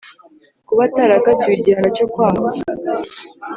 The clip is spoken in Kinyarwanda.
kuba atarakatiwe igihano cyo kwangwa